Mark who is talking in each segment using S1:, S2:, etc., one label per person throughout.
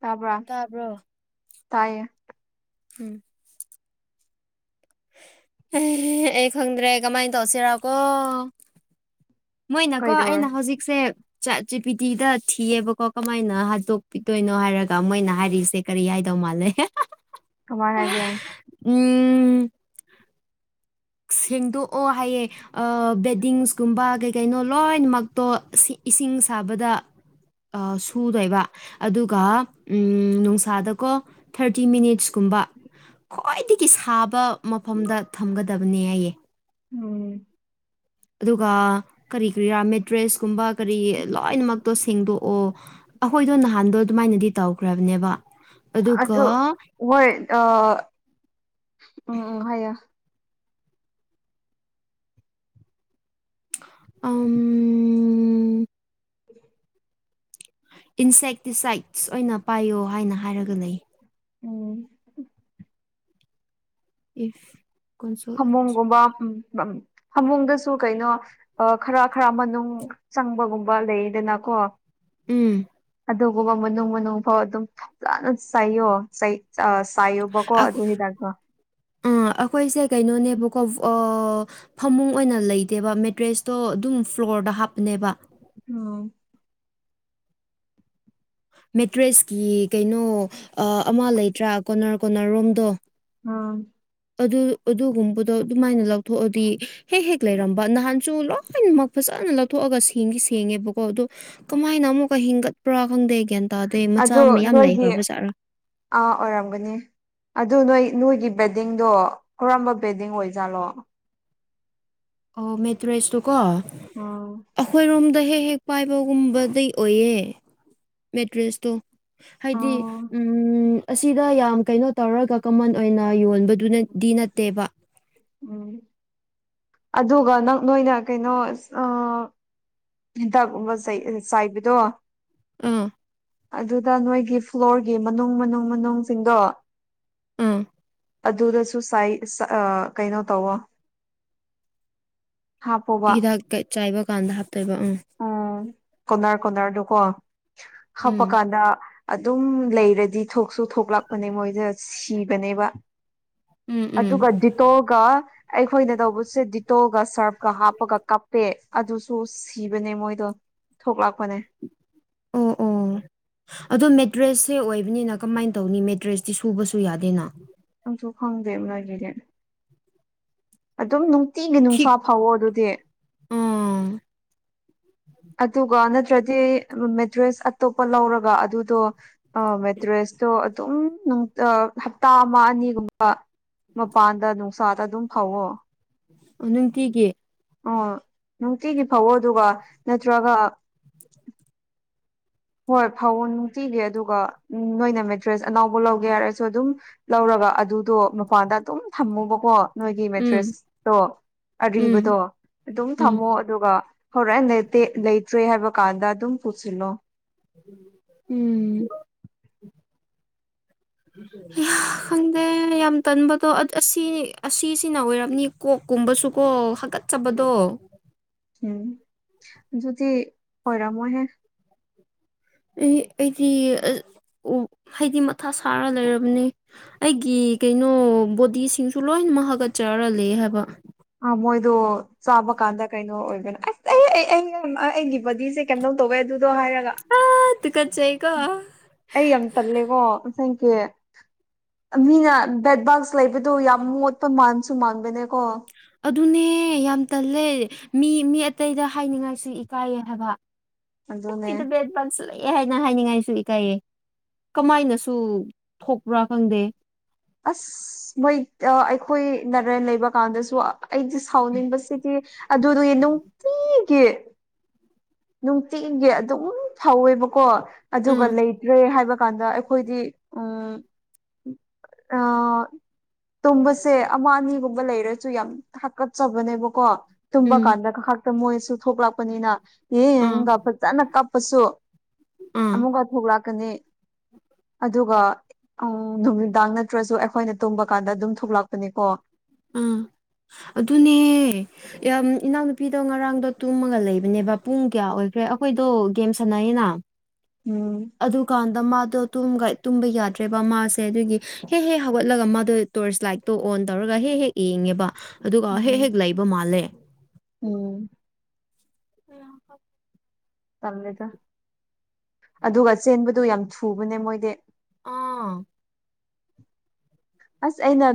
S1: ꯇꯥꯕ꯭ꯔꯥ
S2: ꯇꯥꯕ꯭ꯔꯣ
S1: ꯇꯥꯏꯌꯦ
S2: ꯎꯝ ꯑꯦ ꯑꯩ ꯈꯪꯗ꯭ꯔꯦ ꯀꯃꯥꯏꯟ ꯇꯧꯁꯤꯔꯥꯀꯣ ꯃꯣꯏꯅꯀꯣ
S1: ꯀꯩꯗꯧꯔꯦ
S2: ꯑꯩꯅ ꯍꯧꯖꯤꯛꯁꯦ ꯆꯥꯠ ꯆꯤꯄꯤꯇꯤꯗ ꯊꯤꯌꯦꯕꯀꯣ ꯀꯃꯥꯏꯅ ꯍꯥꯠꯇꯣꯛꯄꯤꯗꯣꯏꯅꯣ ꯍꯥꯏꯔꯒ ꯃꯣꯏꯅ ꯍꯥꯏꯔꯤꯁꯦ ꯀꯔꯤ ꯍꯥꯏꯗꯧ ꯃꯥꯜꯂꯦ ꯍꯦ ꯍꯥ ꯍꯥ ꯍꯥ
S1: ꯀꯃꯥꯏ ꯍꯥꯏꯒꯦ
S2: ꯎꯝ ꯁꯦꯡꯗꯣꯛꯑꯣ ꯍꯥꯏꯌꯦ ꯑꯥ ꯕꯦꯗꯤꯡꯁꯀꯨꯝꯕ ꯀꯩ ꯀꯩꯅꯣ ꯂꯣꯏꯅꯃꯛꯇꯣ ꯏꯁꯤ ꯏꯁꯤꯡ ꯁꯥꯕꯗ ꯑꯥ ꯁꯨꯗꯣꯏꯕ ꯑꯗꯨꯒ ꯎꯝ ꯅꯨꯡꯁꯥꯗꯀꯣ ꯊꯥꯔꯇꯤ ꯃꯤꯅꯤꯠꯁꯀꯨꯝꯕ ꯈ꯭ꯋꯥꯏꯗꯒꯤ ꯁꯥꯕ ꯃꯐꯝꯗ ꯊꯝꯒꯗꯕꯅꯦ ꯍꯥꯏꯌꯦ
S1: ꯎꯝ
S2: ꯑꯗꯨꯒ ꯀꯔꯤ ꯀꯔꯤ ꯔꯥ ꯃꯦꯇ꯭ꯔꯦꯁꯀꯨꯝꯕ ꯀꯔꯤ ꯂꯣꯏꯅꯃꯛꯇꯣ ꯁꯦꯡꯗꯣꯛꯑꯣ ꯑꯈꯣꯏꯗꯣ ꯅꯍꯥꯟꯗꯣ ꯑꯗꯨꯃꯥꯏꯅꯗꯤ ꯇꯧꯈ꯭ꯔꯕꯅꯦꯕ ꯑꯗꯨꯒ
S1: ꯑꯗꯨ ꯍꯣꯏ ꯑ ꯎꯝ ꯎꯝ ꯍꯥꯏꯌꯦ
S2: ꯑꯝ
S1: [inaudible]
S2: ꯏꯟꯁꯦꯛꯇꯤꯁꯥꯏꯠꯁ ꯑꯣꯏꯅ ꯄꯥꯏꯌꯣ ꯍꯥꯏꯅ ꯍꯥꯏꯔꯒ ꯂꯩ
S1: ꯎꯝ
S2: ꯏꯐ ꯀꯣꯟꯁꯣꯜ
S1: ꯐꯃꯨꯡꯒꯨꯝꯕ ꯎꯝ ꯃꯝ ꯐꯃꯨꯡꯗꯁꯨ ꯀꯩꯅꯣ ꯑ ꯈꯔ ꯈꯔ ꯃꯅꯨꯡ ꯆꯪꯕꯒꯨꯝꯕ ꯂꯩꯗꯅꯀꯣ
S2: ꯎꯝ
S1: ꯑꯗꯨꯒꯨꯝꯕ ꯃꯅꯨꯡ ꯃꯅꯨꯡ ꯐꯥꯎ ꯑꯗꯨꯝ ꯐꯖꯅ ꯆꯥꯏꯌꯣ ꯆꯩ ꯆꯥ ꯑ ꯆꯥꯏꯌꯣꯕꯀꯣ ꯑꯗꯨ ꯍꯤꯗꯥꯛꯇꯣ
S2: ꯑ ꯑꯈꯣꯏꯁꯦ ꯀꯩꯅꯣꯅꯦꯕꯀꯣ ꯑꯥ ꯐꯃꯨꯡ ꯑꯣꯏꯅ ꯂꯩꯇꯦꯕ ꯃꯦꯇ꯭ꯔꯦꯁꯇꯣ ꯑꯗꯨꯝ ꯐ꯭ꯂꯣꯔꯗ ꯍꯥꯞꯄꯅꯦꯕ
S1: ꯎꯝ
S2: ꯃꯦꯇ꯭ꯔꯦꯁꯀꯤ ꯀꯩꯅꯣ ꯑ ꯑꯃ ꯂꯩꯇ꯭ꯔꯥ ꯀꯣꯅꯔ ꯀꯣꯅꯔꯔꯣꯝꯗꯣ
S1: ꯎꯝ
S2: ꯑꯗꯨ ꯑꯗꯨꯒꯨꯝꯕꯗꯣ ꯑꯗꯨꯃꯥꯏꯅ ꯂꯧꯊꯣꯛꯑꯗꯤ ꯍꯦꯛ ꯍꯦꯛ ꯂꯩꯔꯝꯕ ꯅꯍꯥꯟꯁꯨ ꯂꯣꯏꯅꯃꯛ ꯐꯖꯅ ꯂꯧꯊꯣꯛꯑꯒ ꯁꯦꯡꯒꯤ ꯁꯦꯡꯉꯦꯕꯀꯣ ꯑꯗꯣ ꯀꯃꯥꯏꯅ ꯑꯃꯨꯛꯀ ꯍꯤꯡꯒꯠꯄ꯭ꯔꯥ ꯈꯪꯗꯦ ꯒ꯭ꯌꯥꯟ ꯇꯥꯗꯦ ꯃꯆꯥ
S1: ꯑꯗꯣ
S2: ꯃꯌꯥꯝ
S1: ꯅꯣꯏꯒꯤ
S2: ꯂꯩꯈ꯭ꯔꯕꯖꯥꯠꯔꯥ
S1: ꯑꯥ ꯑꯣꯏꯔꯝꯒꯅꯤ ꯑꯗꯨ ꯅꯣꯏ ꯅꯣꯏꯒꯤ ꯕꯦꯗꯤꯡꯗꯣ ꯀꯔꯝꯕ ꯕꯦꯗꯤꯡ ꯑꯣꯏꯖꯥꯠꯂꯣ
S2: ꯑꯣ ꯃꯦꯇ꯭ꯔꯦꯁꯇꯣ ꯀꯣ
S1: ꯎꯝ
S2: ꯑꯩꯈꯣꯏꯔꯣꯝꯗ ꯍꯦꯛ ꯍꯦꯛ ꯄꯥꯏꯕꯒꯨꯝꯕꯗꯩ ꯑꯣꯏꯌꯦ ꯃꯦꯇ꯭ꯔꯦꯁꯇꯣ ꯍꯥꯏꯗꯤ
S1: ꯎꯝ
S2: ꯎꯝ ꯑꯁꯤꯗ ꯌꯥꯝ ꯀꯩꯅꯣ ꯇꯧꯔꯒ ꯀꯃꯟ ꯑꯣꯏꯅ ꯌꯣꯟꯕꯗꯨꯅ ꯗꯤ ꯅꯠꯇꯦꯕ
S1: ꯎꯝ ꯑꯗꯨꯒ ꯅꯪ ꯅꯣꯏꯅ ꯀꯩꯅꯣ ꯑꯁ ꯑ ꯍꯟꯗꯥꯛꯒꯨꯝꯕ ꯆꯩ ꯑ ꯆꯥꯏꯕꯗꯣ
S2: ꯑꯥ
S1: ꯑꯗꯨꯗ ꯅꯣꯏꯒꯤ ꯐ꯭ꯂꯣꯔꯒꯤ ꯃꯅꯨꯡ ꯃꯅꯨꯡ ꯃꯅꯨꯡꯁꯤꯡꯗꯣ
S2: ꯑꯥ
S1: ꯑꯗꯨꯗꯁꯨ ꯆꯥꯏ ꯑꯆꯥ ꯑ ꯀꯩꯅꯣ ꯇꯧꯋꯣ ꯍꯥꯞꯄꯣꯕ
S2: ꯍꯤꯗꯥꯛ ꯀꯩ ꯆꯥꯏꯕ ꯀꯥꯟꯗ ꯍꯥꯞꯇꯣꯏꯕ ꯎꯝ
S1: ꯎꯝ ꯀꯣꯟꯅꯔ ꯀꯣꯟꯅꯔꯗꯨꯀꯣ
S2: ꯎꯝ
S1: ꯍꯥꯞꯄꯀꯥꯟꯗ ꯑꯗꯨꯝ ꯂꯩꯔꯗꯤ ꯊꯣꯛꯁꯨ ꯊꯣꯛꯂꯛꯄꯅꯦ ꯃꯣꯏꯗꯣ ꯁꯤꯕꯅꯦꯕ
S2: ꯎꯝ ꯎꯝ
S1: ꯑꯗꯨꯒ ꯗꯤꯗ ꯇꯣꯜꯒ ꯑꯩꯈꯣꯏꯅ ꯇꯧꯕꯁꯦ ꯗꯤꯇꯣꯜꯒ ꯁꯔꯞꯀ ꯍꯥꯞꯄꯒ ꯀꯞꯄꯦ ꯑꯗꯨ ꯁꯨ ꯁꯤꯕꯅꯦ ꯃꯣꯏꯗꯣ ꯊꯣꯛꯂꯛꯄꯅꯦ
S2: ꯎꯟ ꯎꯟ ꯑꯗꯣ ꯃꯦꯇ꯭ꯔꯦꯁꯁꯦ ꯑꯣꯏꯕꯅꯤꯅ ꯀꯃꯥꯏꯅ ꯇꯧꯅꯤ ꯃꯦꯇ꯭ꯔꯦꯁꯇꯤ ꯁꯨꯕꯁꯨ ꯌꯥꯗꯦꯅ
S1: ꯀꯪꯁꯨ ꯈꯪꯗꯦꯕ ꯅꯣꯏꯒꯤꯗꯤ ꯑꯗꯨꯝ ꯅꯨꯡꯇꯤꯒꯤ ꯅꯨꯡꯁꯥ ꯐꯥꯎꯑꯣ ꯑꯗꯨꯗꯤ
S2: ꯑꯣ
S1: ꯑꯗꯨꯒ ꯅꯠꯇ꯭ꯔꯗꯤ ꯔꯨꯝ ꯃꯦꯇ꯭ꯔꯦꯁ ꯑꯇꯣꯞꯄ ꯂꯧꯔꯒ ꯑꯗꯨꯗꯣ ꯑ ꯃꯦꯇ꯭ꯔꯦꯁꯇꯣ ꯑꯗꯨꯝ ꯍꯞꯇꯥ ꯑꯃ ꯑꯅꯤꯒꯨꯝꯕ ꯃꯄꯥꯟꯗ ꯅꯨꯡꯁꯥꯗ ꯑꯗꯨꯝ ꯐꯧꯋꯣ
S2: ꯅꯨꯡꯇꯤꯒꯤ
S1: ꯑꯣ ꯅꯨꯡꯇꯤꯒꯤ ꯐꯧꯑꯣ ꯑꯗꯨꯒ ꯅꯠꯇ꯭ꯔꯒ ꯍꯣꯏ ꯐꯧ ꯅꯨꯡꯇꯤꯒꯤ ꯑꯗꯨꯒ ꯅꯣꯏꯅ ꯃꯦꯗ꯭ꯔꯦꯁ ꯑꯅꯧꯕ ꯂꯧꯒꯦ ꯍꯥꯏꯔꯁꯨ ꯑꯗꯨꯝ ꯂꯧꯔꯒ ꯑꯗꯨꯗꯣ ꯃꯄꯥꯟꯗ ꯑꯗꯨꯝ ꯊꯝꯃꯣꯕꯀꯣ ꯅꯣꯏꯒꯤ
S2: ꯎꯝ
S1: ꯃꯦꯗ꯭ꯔꯦꯁꯇꯣ
S2: ꯎꯝ
S1: ꯑꯔꯤꯕꯗꯣ ꯑꯗꯨꯝ
S2: ꯎꯝ
S1: ꯊꯝꯃꯣ ꯑꯗꯨꯒ ꯍꯔꯦꯟ ꯂꯩꯇꯦ ꯂꯩꯇ꯭ꯔꯦ ꯍꯥꯏꯕ ꯀꯥꯟꯗ ꯑꯗꯨꯝ ꯄꯨꯁꯤꯜꯂꯣ
S2: ꯎꯝ ꯈꯪꯗꯦ ꯌꯥꯝ ꯇꯟꯕꯗꯣ ꯑꯁꯤꯅꯤ ꯑꯁꯤꯁꯤꯅ ꯑꯣꯏꯔꯝꯅꯤ ꯀꯣꯛꯀꯨꯝꯕꯁꯨꯀꯣ ꯍꯥꯀꯠ ꯆꯕꯗꯣ
S1: ꯎꯝ ꯑꯗꯨꯗꯤ ꯑꯣꯏꯔꯝꯃꯣꯏꯍꯦ
S2: ꯑꯩ ꯑꯩꯗꯤ ꯍꯥꯏꯗꯤ ꯃꯊꯥ ꯁꯥꯔ ꯂꯩꯔꯕꯅꯤ ꯑꯩꯒꯤ ꯀꯩꯅꯣ ꯕꯣꯗꯤꯁꯤꯡꯁꯨ ꯂꯣꯏꯅꯃꯛ ꯍꯥꯒꯠꯆꯔ ꯂꯩ ꯍꯥꯏꯕ
S1: ꯑ ꯃꯣꯏꯗꯨ ꯆꯥꯕ ꯀꯥꯟꯗ ꯀꯩꯅꯣ ꯑꯣꯏꯒꯅꯣ ꯑꯁ ꯑꯩ ꯑꯩꯒꯤ ꯕꯗꯤꯁꯦ ꯀꯩꯝꯇꯧ ꯇꯧꯋꯦ ꯑꯗꯨꯗꯣ ꯍꯥꯏꯔꯒ
S2: ꯑ ꯇꯨꯀꯠꯆꯩꯀꯣ
S1: ꯑꯩ ꯌꯥꯝ ꯇꯜꯂꯦꯕꯣ ꯉꯁꯥꯏꯒꯤ ꯃꯤꯅ ꯕꯦꯠ ꯕꯥꯛꯁ ꯂꯩꯕꯗꯣ ꯌꯥꯝ ꯃꯣꯠꯄ ꯃꯥꯟꯁꯨ ꯃꯥꯟꯕꯅꯦꯀꯣ
S2: ꯑꯗꯨꯅꯦ ꯌꯥꯝ ꯇꯜꯂꯦ ꯃꯤ ꯃꯤ ꯑꯇꯩꯗ ꯍꯥꯏꯅꯤꯡꯉꯥꯏꯁꯨ ꯏꯀꯥꯏꯌꯦ ꯍꯥꯏꯕ
S1: ꯑꯗꯨꯅꯦ
S2: [unintelligible] ꯂꯥꯟꯁꯤꯜꯂꯛꯑꯦ ꯍꯥꯏꯅ ꯍꯥꯏꯅꯤꯡꯉꯥꯏꯁꯨ ꯏꯀꯥꯏꯌꯦ ꯀꯃꯥꯏꯅꯁꯨ ꯊꯣꯛꯄ꯭ꯔꯥ ꯈꯪꯗꯦ
S1: ꯑꯁ ꯃꯣꯏ ꯑꯩꯈꯣꯏ ꯅꯔꯦꯟ ꯂꯩꯕ ꯀꯥꯟꯗꯁꯨ ꯑꯩꯗꯤ ꯁꯥꯎꯅꯤꯡꯕꯁꯤꯗꯤ ꯑꯗꯨꯒꯤ ꯅꯨꯡꯇꯤꯒꯤ ꯅꯨꯡꯇꯤꯒꯤ ꯑꯗꯨꯝ ꯐꯧꯋꯦꯕꯀꯣ ꯑꯗꯨꯒ
S2: ꯎꯝ
S1: ꯂꯩꯇ꯭ꯔꯦ ꯍꯥꯏꯕ ꯀꯥꯟꯗ ꯑꯩꯈꯣꯏꯒꯤ ꯎꯝ ꯑꯥ ꯇꯨꯝꯕꯁꯦ ꯑꯃ ꯑꯅꯤꯒꯨꯝꯕ ꯂꯩꯔꯁꯨ ꯌꯥꯝ ꯍꯥꯀꯠꯆꯕꯅꯦꯕꯀꯣ ꯇꯨꯝꯕ
S2: ꯎꯝ
S1: ꯀꯥꯟꯗ ꯈꯥꯛꯇ ꯃꯣꯏꯁꯨ ꯊꯣꯛꯂꯛꯄꯅꯤꯅ
S2: ꯑꯥ
S1: ꯌꯦꯒ ꯐꯖꯅ ꯀꯞꯄꯁꯨ
S2: ꯑꯥ
S1: ꯑꯃꯨꯛꯀ ꯊꯣꯛꯂꯛꯀꯅꯤ ꯑꯗꯨꯒ ꯎꯝ ꯅꯨꯃꯤꯗꯥꯡ ꯅꯠꯇ꯭ꯔꯁꯨ ꯑꯩꯈꯣꯏꯅ ꯇꯨꯝꯕ ꯀꯥꯟꯗ ꯑꯗꯨꯝ ꯊꯣꯛꯂꯛꯄꯅꯤꯀꯣ
S2: ꯑꯝ ꯑꯗꯨꯅꯦ ꯏꯅꯥꯎꯅꯨꯄꯤꯗꯣ ꯉꯔꯥꯡꯗꯣ ꯇꯨꯝꯃꯒ ꯂꯩꯕꯅꯦꯕ ꯄꯨꯡ ꯀꯌꯥ ꯑꯣꯏꯈ꯭ꯔꯦ ꯑꯩꯈꯣꯏꯗꯣ ꯒꯦꯝ ꯁꯥꯟꯅꯩꯅ
S1: ꯎꯝ
S2: ꯑꯗꯨꯀꯥꯟꯗ ꯃꯥꯗꯣ ꯇꯨꯝꯕ ꯌꯥꯗ꯭ꯔꯦꯕ ꯃꯥꯁꯦ ꯑꯗꯨꯒꯤ ꯍꯦꯛ ꯍꯦꯛ ꯍꯧꯒꯠꯂꯒ ꯃꯥꯗꯣ ꯇꯣꯔꯆ ꯂꯥꯏꯠꯇꯣ ꯑꯣꯟ ꯇꯧꯔꯒ ꯍꯦꯛ ꯍꯦꯛ ꯌꯦꯡꯉꯦꯕ ꯑꯗꯨꯒ ꯍꯦꯛ ꯍꯦꯛ ꯂꯩꯕ ꯃꯥꯜꯂꯦ
S1: ꯎꯟ
S2: ꯑ
S1: ꯇꯜꯂꯦꯗ ꯑꯗꯨꯒ ꯆꯦꯟꯕꯗꯨ ꯌꯥꯝ ꯊꯨꯕꯅꯦ ꯃꯣꯏꯗꯤ
S2: ꯑꯥ
S1: ꯑꯁ ꯑꯩꯅ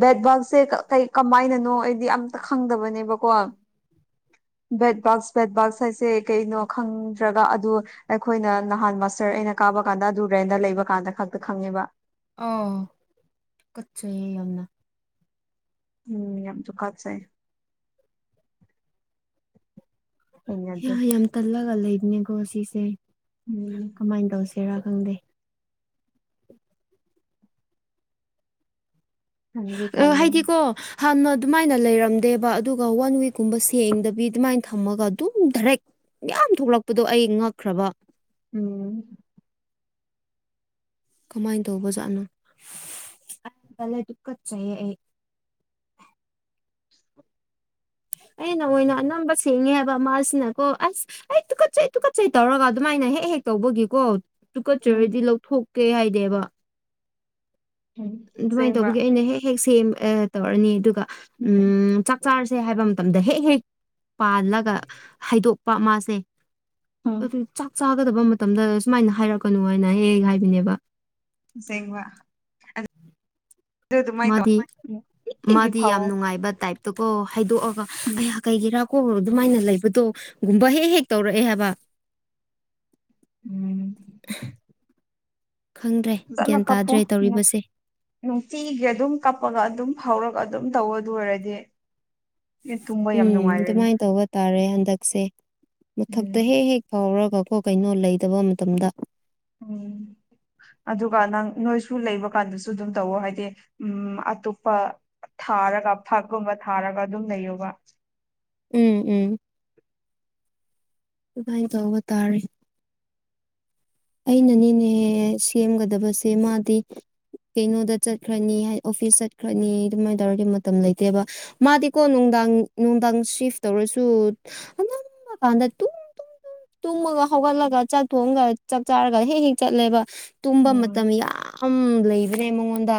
S1: ꯕꯦꯠꯕꯣꯜꯁꯦ ꯀꯩ ꯀꯃꯥꯏꯅꯅꯣ ꯑꯩꯗꯤ ꯑꯝꯇ ꯈꯪꯗꯕꯅꯦꯕꯀꯣ
S2: ꯎꯝ
S1: ꯕꯦꯠ ꯕꯥꯛꯁ ꯕꯦꯠ ꯕꯥꯛꯁ ꯍꯥꯏꯁꯦ ꯀꯩꯅꯣ ꯈꯪꯗ꯭ꯔꯒ ꯑꯗꯨ ꯑꯩꯈꯣꯏꯅ ꯅꯍꯥꯟ ꯃꯁꯇꯔ ꯑꯩꯅ ꯀꯥꯕ ꯀꯥꯟꯗ ꯑꯗꯨ ꯔꯦꯟꯗ ꯂꯩꯕ ꯀꯥꯟꯗ ꯈꯛꯇ ꯈꯪꯉꯦꯕ
S2: ꯑ ꯀꯠꯆ ꯌꯥꯝꯅ
S1: ꯎꯝ ꯌꯥꯝ ꯇꯨꯒꯠꯁꯩ ꯫
S2: ꯌꯥꯝ ꯇꯜꯂꯒ ꯂꯩꯕꯅꯤꯀꯣ ꯉꯁꯤꯁꯦ꯫
S1: ꯎꯝ꯫
S2: ꯀꯃꯥꯏꯅ ꯇꯧꯁꯤꯔꯥ ꯈꯪꯗꯦ꯫
S1: ꯇꯟꯗꯤ
S2: ꯑ
S1: ꯇꯜꯂꯦ
S2: ꯍꯥꯏꯗꯤꯀꯣ꯫ ꯍꯥꯟꯅ ꯑꯗꯨꯃꯥꯏꯅ ꯂꯩꯔꯝꯗꯦꯕ ꯑꯗꯨꯒ ꯋꯥꯟ ꯋꯤꯛꯀꯨꯝꯕ ꯁꯦꯡꯗꯕꯤ ꯑꯗꯨꯃꯥꯏꯅ ꯊꯝꯃꯒ ꯑꯗꯨꯝ ꯗꯥꯏꯔꯦꯛ꯫ ꯌꯥꯝ ꯊꯣꯛꯂꯛꯄꯗꯣ ꯑꯩ ꯉꯛꯈ꯭ꯔꯕ꯫
S1: ꯎꯝ꯫
S2: ꯀꯃꯥꯏꯅ ꯇꯧꯕꯖꯥꯠꯅꯣ ꯇꯜꯂꯦ ꯇꯨꯒꯠꯆꯩꯌꯦ ꯑꯩ꯫ ꯑꯩꯅ ꯑꯣꯏꯅ ꯑꯅꯝꯕ ꯁꯦꯡꯉꯦ ꯍꯥꯏꯕ ꯃꯥꯁꯤꯅ꯫ ꯀꯣ ꯑꯁ ꯑꯩ ꯇꯨꯀꯠꯆꯩ ꯇꯨꯀꯠꯆꯩ ꯇꯧꯔꯒ ꯑꯗꯨꯃꯥꯏꯅ ꯍꯦꯛ ꯍꯦꯛ ꯇꯧꯕꯒꯤꯀꯣ
S1: ꯎꯝ
S2: ꯇꯨꯀꯠꯆꯔꯗꯤ꯫ ꯊꯣꯛꯀꯦ ꯍꯥꯏꯗꯦꯕ꯫ ꯑꯗꯨꯃꯥꯏꯅ
S1: ꯑꯁꯦꯡꯕ
S2: ꯇꯧꯕꯒꯤ ꯑꯩꯅ ꯍꯦꯛ ꯍꯦꯛ ꯁꯦꯝ ꯇꯧꯔꯅꯤ ꯑꯗꯨꯒ꯫ ꯎꯝ ꯆꯥꯛ ꯆꯥꯔꯁꯦ ꯍꯥꯏꯕ ꯃꯇꯝꯗ ꯍꯦꯛ ꯍꯦꯛ꯫ ꯄꯥꯜꯂꯒ ꯍꯥꯏꯗꯣꯛꯄ ꯃꯥꯁꯦ꯫
S1: ꯎꯝ
S2: ꯆꯥꯒꯗꯕ ꯃꯇꯝꯗ ꯁꯨꯃꯥꯏꯅ ꯍꯥꯏꯔꯛꯀꯅꯨ ꯍꯥꯏꯅ ꯍꯦꯛ ꯍꯥꯏꯕꯅꯦꯕ꯫
S1: ꯑꯁꯦꯡꯕ꯫ ꯑꯗꯨ ꯑꯗꯨꯃꯥꯏ ꯇꯧ
S2: ꯃꯥꯗꯤ
S1: ꯅꯨꯡꯇꯤꯒꯤ
S2: ꯃꯥꯗꯤ ꯌꯥꯝ
S1: ꯐꯥꯎꯋꯣ
S2: ꯅꯨꯡꯉꯥꯏꯕ ꯇꯥꯏꯞ꯫ ꯑꯀꯣ ꯍꯥꯏꯗꯣꯛꯑꯒ ꯑꯩꯍꯥꯛ ꯀꯩꯀꯦꯔꯥ ꯀꯣꯡ ꯑꯗꯨꯃꯥꯏꯅ ꯂꯩꯕꯗꯣ꯫ ꯒꯨꯝꯕ ꯍꯦꯛ ꯍꯦꯛ ꯇꯧꯔꯛꯑꯦ ꯍꯥꯏꯕ꯫
S1: ꯎꯝ꯫
S2: ꯈꯪꯗ꯭ꯔꯦ
S1: ꯐꯖꯅ
S2: ꯒ꯭ꯌꯥꯟ
S1: ꯀꯞꯄꯣ
S2: ꯇꯥꯗ꯭ꯔꯦ
S1: ꯅ
S2: ꯇꯧꯔꯤꯕꯁꯦ꯫
S1: ꯅꯨꯡꯇꯤꯒꯤ ꯑꯗꯨꯝ ꯀꯞꯄꯒ ꯑꯗꯨꯝ ꯍꯧꯔꯒ ꯑꯗꯨꯝ ꯇꯧꯕ ꯑꯗꯨ ꯑꯣꯏꯔꯗꯤ꯫ ꯇꯨꯝꯕ ꯌꯥꯝ
S2: ꯎꯝ
S1: ꯅꯨꯡꯉꯥꯏꯔꯅꯤ
S2: ꯑꯗꯨꯃꯥꯏꯅ ꯇꯧꯕ ꯇꯥꯔꯦ ꯍꯟꯗꯛꯁꯦ ꯃꯊꯛꯇ
S1: ꯎꯝ
S2: ꯍꯦꯛ ꯍꯦꯛ꯫ ꯐꯥꯎꯔꯒ ꯀꯣ ꯀꯩꯅꯣ ꯂꯩꯇꯕ ꯃꯇꯝꯗ꯫
S1: ꯎꯝ꯫ ꯑꯗꯨꯒ ꯅꯪ ꯅꯣꯏꯁꯨ ꯂꯩꯕ ꯀꯥꯟꯗꯁꯨ ꯑꯗꯨꯝ ꯇꯧꯋ ꯍꯥꯏꯗꯤ ꯎꯝ ꯑꯇꯣꯞꯄ꯫ ꯊꯥꯔꯒ ꯐꯛꯀꯨꯝꯕ ꯊꯥꯔꯒ ꯑꯗꯨꯝ ꯂꯩꯌꯣꯕ꯫
S2: ꯎꯝ ꯎꯝ꯫ ꯑꯗꯨꯃꯥꯏꯅ ꯇꯧꯕ ꯇꯥꯔꯦ꯫ ꯑꯩꯅꯅꯤꯅꯦꯍꯦ ꯁꯦꯝꯒꯗꯕꯁꯦ ꯃꯥꯗꯤ꯫ ꯀꯩꯅꯣꯗ ꯆꯠꯈ꯭ꯔꯅꯤ ꯍꯥꯏ ꯑꯣꯐꯤꯁ ꯆꯠꯈ꯭ꯔꯅꯤ ꯑꯗꯨꯃꯥꯏꯅ ꯇꯧꯔꯗꯤ ꯃꯇꯝ ꯂꯩꯇꯦꯕ꯫ ꯃꯥꯗꯤꯀꯣ ꯅꯨꯡꯗꯥꯡ ꯅꯨꯡꯗꯥꯡ ꯁꯤꯐ ꯇꯧꯔꯁꯨ ꯑꯃꯀꯥꯟꯗ ꯇꯨꯝ꯫ ꯇꯨꯡ ꯃꯒ ꯍꯒꯂꯒ ꯆꯠ ꯐꯣꯒ꯫ ꯆꯥꯛ ꯆꯥꯔꯒ ꯍꯦꯛ ꯍꯦꯛ ꯆꯠꯂꯦꯕ ꯇꯨꯝꯕ ꯃꯇꯝ
S1: ꯎꯝ
S2: ꯌꯥꯝ꯫ ꯂꯩꯕꯅꯦ ꯃꯉꯣꯟꯗ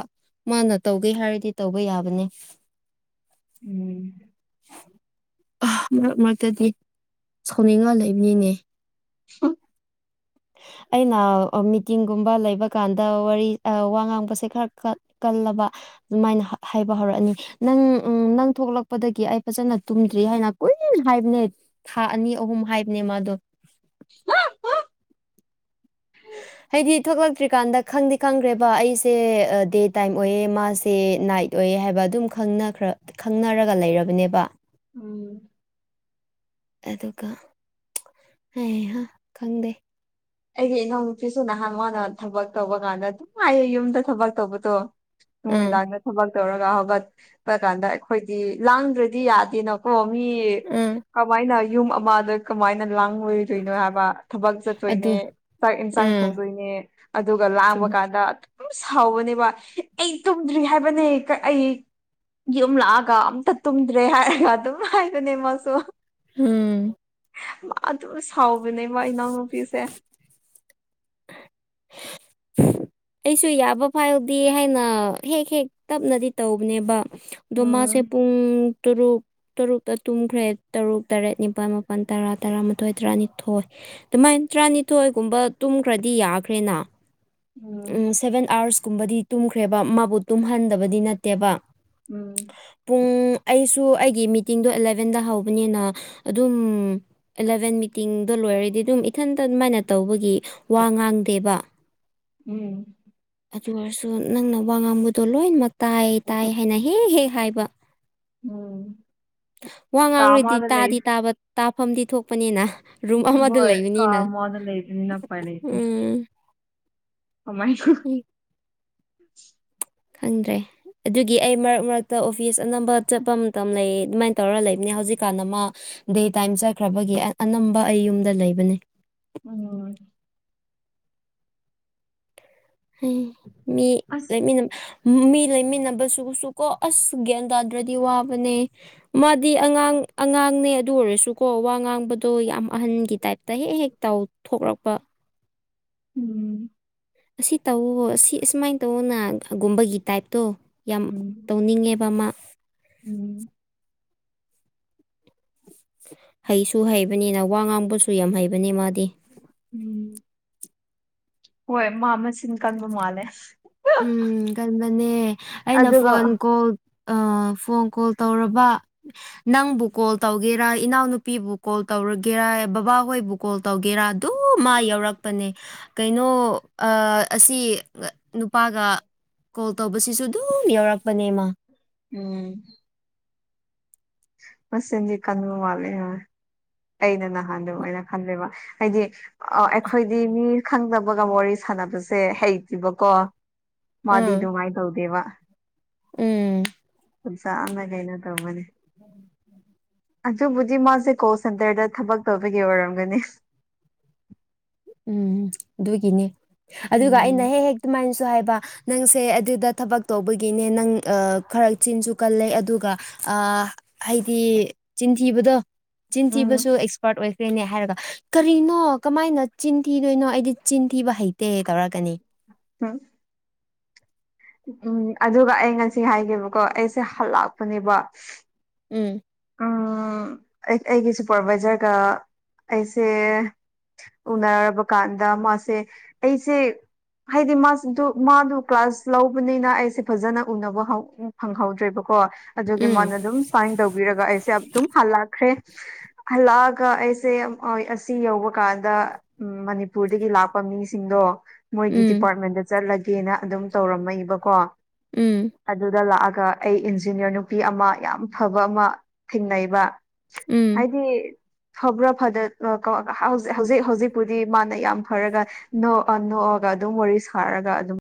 S2: ꯃꯥꯅ ꯇꯧꯒꯦ ꯍꯥꯏꯔꯗꯤ ꯇꯧꯕ ꯌꯥꯕꯅꯦ꯫
S1: ꯎꯝ
S2: ꯃꯔꯛ ꯃꯔꯛꯇꯗꯤ ꯁꯥꯎꯅꯤꯡꯉ ꯂꯩꯕꯅꯤꯅꯦ꯫ ꯑꯩꯅ ꯃꯤꯇꯤꯡꯒꯨꯝꯕ ꯂꯩꯕ ꯀꯥꯟꯗ ꯋꯥꯔꯤ ꯋꯥ ꯉꯥꯡꯕꯁꯦ ꯈꯔ ꯈꯔ꯫ ꯇꯜꯂꯕ ꯑꯗꯨꯃꯥꯏꯅ ꯍꯥꯏꯕ ꯍꯧꯔꯛꯑꯅꯤ꯫ ꯅꯪ ꯎꯝ ꯅꯪ ꯊꯣꯛꯂꯛꯄꯗꯒꯤ ꯑꯩ ꯐꯖꯅ ꯇꯨꯝꯗ꯭ꯔꯤ ꯍꯥꯏꯅ ꯀꯨꯏꯅ ꯍꯥꯏꯕꯅꯦ꯫ ꯊꯥ ꯑꯅꯤ ꯑꯍꯨꯝ ꯍꯥꯏꯕꯅꯦ ꯃꯥꯗꯣ꯫
S1: ꯍ [unintelligible]
S2: ꯍꯥ꯫ ꯍꯥꯏꯗꯤ ꯊꯣꯛꯂꯛꯇ꯭ꯔꯤꯀꯥꯟꯗ ꯈꯪꯗꯤ ꯈꯪꯈ꯭ꯔꯦꯕ ꯑꯩꯁꯦ ꯗꯦ ꯇꯥꯏꯝ ꯑꯣꯏꯌꯦ ꯃꯥꯁꯦ ꯅꯥꯏꯠ꯫ ꯑꯣꯏ ꯍꯥꯏꯕ ꯑꯗꯨꯝ ꯈꯅꯈ꯭ꯔ ꯈꯪꯅꯔꯒ ꯂꯩꯔꯕꯅꯦꯕ꯫
S1: ꯎꯝ꯫
S2: ꯑꯗꯨꯒ ꯍꯩꯍ ꯈꯪꯗꯦ꯫
S1: ꯑꯩꯒꯤ ꯏꯅꯥꯎ ꯅꯨꯄꯤꯁꯨ ꯅꯍꯥꯟ ꯃꯥꯅ ꯊꯕꯛ ꯇꯧꯕ ꯀꯥꯟꯗ ꯑꯗꯨꯝ ꯍꯥꯏꯌꯦ ꯌꯨꯝꯗ ꯊꯕꯛ ꯇꯧꯕꯗꯣ꯫
S2: ꯑꯥ
S1: ꯅꯨꯃꯤꯗꯥꯡꯗ ꯊꯕꯛ ꯇꯧꯔꯒ ꯍꯧꯒꯠꯄ ꯀꯥꯟꯗ ꯑꯩꯈꯣꯏꯗꯤ ꯂꯥꯡꯗ꯭ꯔꯗꯤ ꯌꯥꯗꯦꯗꯣ꯫ ꯑꯣ ꯃꯤ
S2: ꯑꯥ
S1: ꯀꯃꯥꯏꯅ ꯌꯨꯝ ꯑꯃꯗ꯫ ꯀꯃꯥꯏꯅ ꯂꯥꯡꯉꯨꯗꯣꯏꯅꯣ ꯍꯥꯏꯕ ꯊꯕꯛ ꯆꯠꯇꯣꯏꯅꯦ
S2: ꯑꯗꯨ
S1: ꯆꯥꯛ ꯌꯦꯟꯁꯥꯡ
S2: ꯑꯥ
S1: ꯊꯣꯡꯗꯣꯏꯅꯦ ꯑꯗꯨꯒ ꯂꯥꯡꯑꯕ
S2: ꯆꯨꯝ
S1: ꯀꯥꯟ ꯑꯗꯨꯝ ꯁꯥꯎꯕꯅꯦꯕ ꯑꯩ ꯇꯨꯝꯗ꯭ꯔꯤ ꯍꯥꯏꯕꯅꯦ ꯑꯩ ꯌꯨꯝ ꯂꯥꯛꯑꯒ ꯑꯝꯇ ꯇꯨꯝꯗ꯭ꯔꯦ ꯍꯥꯏꯔꯒ ꯑꯗꯨꯝ ꯍꯥꯏꯕꯅꯦ ꯃꯥꯁꯨ
S2: ꯎꯝ
S1: ꯑꯗꯨꯝ ꯁꯥꯎꯕꯅꯦꯕ ꯏꯅꯥꯎꯅꯨꯄꯤꯁꯦ
S2: ꯑꯩꯁꯨ ꯌꯥꯕ ꯐꯥꯎꯥꯎꯗꯦ ꯍꯥꯏꯅ ꯍꯦꯛ ꯍꯦꯛ ꯇꯞꯅꯗꯤ ꯇꯧꯕꯅꯦꯕ ꯗꯣꯃꯥꯥꯁꯦ
S1: ꯎꯝ
S2: ꯄꯨꯡ ꯇꯔꯨꯛ ꯇꯔꯨꯛꯇ ꯇꯨꯝꯈ꯭ꯔꯦ ꯇꯔꯨꯛ ꯇꯔꯦꯠ ꯅꯤꯄꯥꯜ ꯃꯥꯄꯜ ꯇꯔꯥ ꯇꯔꯥꯃꯥꯊꯣꯏ ꯇꯔꯥꯅꯤꯊꯣꯏ ꯑꯗꯨꯃꯥꯏꯅ ꯇꯔꯥꯅꯤꯊꯣꯏꯒꯨꯝꯕ ꯇꯨꯝꯈ꯭ꯔꯗꯤ ꯌꯥꯈ꯭ꯔꯦꯅ ꯎꯝ ꯁꯦꯚꯦꯟ ꯑꯥꯋꯔꯁꯀꯨꯝꯕꯗꯤ ꯇꯨꯝꯈ꯭ꯔꯦꯕ ꯃꯥꯕꯨ ꯇꯨꯝꯍꯟꯗꯕꯗꯤ ꯅꯠꯇꯦꯕ
S1: ꯎꯝ
S2: ꯄꯨꯡ ꯑꯩꯁꯨ ꯑꯩꯒꯤ ꯃꯤꯇꯤꯡꯗꯣ ꯑꯦꯂꯚꯦꯟꯗ ꯍꯧꯕꯅꯤꯅ ꯑꯗꯨꯝ ꯑꯦꯂꯚꯦꯟ ꯃꯤꯇꯤꯡꯗꯣ ꯂꯣꯏꯔꯗꯤ ꯑꯗꯨꯝ ꯏꯊꯟꯇ ꯑꯗꯨꯃꯥꯏꯅ ꯇꯧꯕꯒꯤ ꯋꯥ ꯉꯥꯡꯗꯦꯕ
S1: ꯎꯝ
S2: ꯑꯗꯨ ꯑꯣꯏꯔꯁꯨ ꯅꯪꯅ ꯋꯥ ꯉꯥꯡꯕꯗꯣ ꯂꯣꯏꯅꯃꯛ ꯇꯥꯏ ꯇꯥꯏ ꯍꯥꯏꯅ ꯍꯦꯛ ꯍꯦꯛ ꯍꯥꯏꯕ
S1: ꯎꯝ
S2: ꯋꯥ
S1: ꯀꯥ
S2: ꯉꯥꯡꯔꯨꯗꯤ
S1: ꯑꯃꯗ ꯂꯩ
S2: ꯇꯥꯗꯤ ꯇꯥꯕ ꯇꯥꯐꯝꯗꯤ ꯊꯣꯛꯄꯅꯤꯅ ꯔꯨꯝ ꯑꯃꯗ
S1: ꯍꯣꯏ ꯀꯥ
S2: ꯂꯩꯕꯅꯤꯅ
S1: ꯑꯃꯗ ꯂꯩꯕꯅꯤꯅ ꯎꯄꯥꯏ
S2: ꯎꯝ
S1: ꯀꯃꯥꯏ
S2: ꯍ ꯈꯪꯗ꯭ꯔꯦ ꯑꯗꯨꯒꯤ ꯑꯩ ꯃꯔꯛ ꯃꯔꯛꯇ ꯑꯣꯐꯤꯁ ꯑꯅꯝꯕ ꯆꯠꯄ ꯃꯇꯝ ꯂꯩ ꯑꯗꯨꯃꯥꯏꯅ ꯇꯧꯔ ꯂꯩꯕꯅꯦ ꯍꯧꯖꯤꯛꯀꯥꯟꯅ ꯃꯥ ꯗꯦ ꯇꯥꯏꯝ ꯆꯠꯈ꯭ꯔꯕꯒꯤ ꯑꯅꯝꯕ ꯑꯩ ꯌꯨꯝꯗ ꯂꯩꯕꯅꯦ
S1: ꯎꯝ
S2: ꯎꯝ ꯃꯤ
S1: ꯑꯁ
S2: ꯂꯩꯃꯤꯅ ꯃꯤ ꯂꯩꯃꯤꯟꯅꯕꯕꯁꯤꯁꯨ ꯀꯣ ꯑꯁ ꯒ꯭ꯌꯥꯟ ꯇꯥꯗ꯭ꯔꯗꯤ ꯋꯥꯕꯅꯦ ꯃꯥꯗꯤ ꯑꯉꯥꯡ ꯑꯉꯥꯡꯅꯦ ꯑꯗꯨ ꯑꯣꯏꯔꯁꯨ ꯀꯣ ꯋꯥ ꯉꯥꯡꯕꯗꯣ ꯌꯥꯝ ꯑꯍꯟꯒꯤ ꯇꯥꯏꯞꯇ ꯍꯦꯛ ꯍꯦꯛ ꯇꯧ ꯊꯣꯛꯂꯛꯄ
S1: ꯎꯝ
S2: ꯑꯁꯤ ꯇꯧꯋꯍꯣ ꯑꯁꯤ ꯑꯁꯨꯃꯥꯏꯅ ꯇꯧꯅꯒꯨꯝꯕꯒꯤ ꯇꯥꯏꯞꯇꯣ ꯌꯥꯝ
S1: ꯎꯝ
S2: ꯇꯧꯅꯤꯡꯉꯦꯕ ꯑꯃ
S1: ꯎꯝ
S2: ꯍꯩꯁꯨ ꯍꯩꯕꯅꯤꯅ ꯋꯥ ꯉꯥꯡꯕꯁꯨ ꯌꯥꯝ ꯍꯩꯕꯅꯤ ꯃꯥꯗꯤ
S1: ꯎꯝ ꯍꯣꯏ ꯃꯥ ꯃꯆꯤꯟ ꯀꯟꯕ ꯃꯥꯜꯂꯦ
S2: ꯎꯝ ꯀꯟꯝꯕꯅꯦ ꯑꯩꯅ
S1: ꯑꯗꯨꯒ
S2: ꯐꯣꯟ ꯀꯣꯜ ꯐꯣꯟ ꯀꯣꯜ ꯇꯧꯔꯕ ꯅꯪꯕꯨ ꯀꯣꯜ ꯇꯧꯒꯦꯔꯥ ꯏꯅꯥꯎꯅꯨꯄꯤꯕꯨ ꯀꯣꯜ ꯇꯧꯔꯒꯦꯔ ꯕꯕꯥ ꯍꯣꯏꯕꯨ ꯀꯣꯜ ꯇꯧꯒꯦꯔꯥ ꯑꯗꯨ ꯃꯥ ꯌꯥꯧꯔꯛꯄꯅꯦ ꯀꯩꯅꯣ ꯑꯁꯤ ꯅꯨꯄꯥꯒ ꯀꯣꯜ ꯇꯧꯕꯁꯤꯁꯨ ꯑꯗꯨꯝ ꯌꯥꯎꯔꯛꯄꯅꯦꯃ
S1: ꯎꯝ ꯃ ꯏꯟꯗꯤ ꯀꯟ ꯋꯥꯦ ꯍꯥꯏ ꯑꯩꯅ ꯅꯍꯥꯟ ꯑꯗꯨ ꯑꯣꯏꯅ ꯈꯟꯂꯕ ꯍꯥꯏꯗꯤ ꯑ ꯑꯩꯈꯣꯏꯗꯤ ꯃꯤ ꯈꯪꯗꯕꯒ ꯋꯥꯔꯤ ꯁꯥꯟꯅꯕꯁꯦ ꯍꯩꯇꯦꯕꯀꯣ
S2: ꯎꯝ
S1: ꯃꯥꯗꯗꯨ ꯃꯥꯏꯗꯧꯗꯦ ꯋꯥ
S2: ꯎꯝ
S1: ꯁꯅ ꯀꯩꯅꯣ ꯇꯧꯃꯅꯤ
S2: ꯎꯝꯝ
S1: ꯑꯗꯨꯕꯨꯗꯤ ꯃꯥꯁꯦ ꯀꯣꯜ ꯁꯦꯟꯇꯔꯗ ꯊꯕꯛ ꯇꯧꯕꯒꯤ ꯑꯣꯏꯔꯝꯒꯅꯤ
S2: ꯎꯝ ꯑꯗꯨꯒꯤꯅꯤ ꯑꯗꯨꯒ ꯑꯩꯅ
S1: ꯎꯝ
S2: ꯍꯦꯛ ꯍꯦꯛ ꯑꯗꯨꯃꯥꯏꯅ ꯁꯨ ꯍꯥꯏꯕ ꯅꯪꯁꯦ ꯑꯗꯨꯗ ꯊꯕꯛ ꯇꯧꯕꯒꯤꯅꯦ ꯅꯪ ꯈꯔ ꯆꯤꯟꯁꯨ ꯀꯜꯂꯦ ꯑꯗꯨꯒ ꯑ ꯍꯥꯏꯗꯤ ꯆꯤꯟꯊꯤꯕꯗꯣ
S1: ꯎꯝ
S2: ꯆꯤꯟꯊꯤꯕꯁꯨ ꯑꯦꯛꯁꯄꯥꯔꯠ ꯑꯣꯏꯈ꯭ꯔꯦꯅꯦ ꯍꯥꯏꯔꯒ ꯀꯔꯤꯅꯣ ꯀꯃꯥꯏꯅ ꯆꯤꯟ ꯊꯤꯗꯣꯏꯅꯣ ꯑꯩꯗꯤ ꯆꯤꯟ ꯊꯤꯕ ꯍꯩꯇꯦ ꯇꯧꯔꯛꯀꯅꯤ
S1: ꯎꯝ ꯎꯝ ꯑꯗꯨꯒ ꯑꯩ ꯉꯁꯤ ꯍꯥꯏꯒ‌ꯦꯕꯀꯣ ꯑꯩꯁꯦ ꯍꯜꯂꯛꯄꯅꯦꯕ
S2: ꯎꯝ
S1: ꯎꯝ ꯑꯩ ꯑꯩꯒꯤ ꯁꯨꯄꯔꯚꯏꯖꯔꯒ ꯑꯩꯁꯦ ꯎꯅꯔꯕ ꯀꯥꯟꯗ ꯃꯥꯁꯦ ꯑꯩꯁꯦ ꯍꯥꯏꯗꯤ ꯃꯥ ꯃꯥꯗꯨ ꯀ꯭ꯂꯥꯁ ꯂꯧꯕꯅꯤꯅ ꯑꯩꯁꯦ ꯐꯖꯅ ꯎꯅꯕ ꯍꯧ ꯐꯪꯍꯧꯗ꯭ꯔꯦꯕꯀꯣ ꯑꯗꯨꯒꯤ
S2: ꯎꯝ
S1: ꯃꯅ ꯑꯗꯨꯝ ꯁꯥꯏꯟ ꯇꯧꯕꯤꯔꯒ ꯑꯩꯁꯦ ꯑꯗꯨꯝ ꯍꯜꯂꯛꯈ꯭ꯔꯦ ꯍꯂꯛꯑꯒ ꯑꯩꯁꯦ ꯑꯁꯤ ꯌꯧꯕ ꯀꯥꯟꯗ ꯎꯝ ꯃꯅꯤꯄꯨꯔꯗꯒꯤ ꯂꯥꯛꯄ ꯃꯤꯁꯤꯡꯗꯣ ꯃꯣꯏꯒꯤ
S2: ꯎꯝ
S1: ꯗꯤꯄꯥꯔꯠꯃꯦꯟꯗ ꯆꯠꯂꯒꯦꯅ ꯑꯗꯨꯝ ꯇꯧꯔꯝꯃ‌ꯦꯕꯀꯣ
S2: ꯎꯝ
S1: ꯑꯗꯨꯗ ꯂꯥꯛꯑꯒ ꯑꯩ ꯏꯟꯖꯤꯅꯤꯌꯔ ꯅꯨꯄꯤ ꯑꯃ ꯌꯥꯝ ꯐꯕ ꯑꯃ ꯊꯦꯡꯅꯩꯕ
S2: ꯎꯝ
S1: ꯍꯥꯏꯗꯤ ꯐꯕ꯭ꯔꯥ ꯐꯗ ꯍꯧꯖꯤꯛ ꯍꯧꯖꯤꯛꯄꯨꯗꯤ ꯃꯥꯅ ꯌꯥꯝ ꯐꯔꯒ ꯅꯣꯛꯑ ꯅꯣꯛꯑꯒ ꯑꯗꯨꯝ ꯋꯥꯔꯤ ꯁꯥꯔꯒ ꯑꯗꯨꯝ